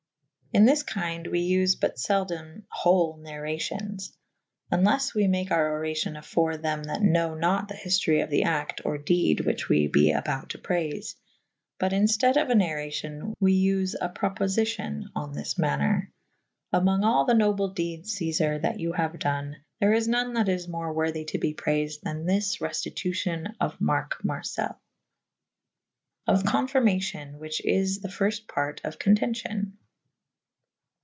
In this k3'nde we vfe but felden hole narracions / oneles we make our oracion afore them that knowe nat the hiftory of the acte or dede whiche we be aboute to praife. But in ftede of a narracion we vfe a propofycion / on this maner. Amonge all the noble dedes Ceiar' that you haue done there is non that is more worthy to be prayfed then this reftitufion of Marke Marcell. Of Confyrmacion /which is the fyrfte parte of Contencion.